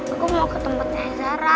aku mau ketemu tegzara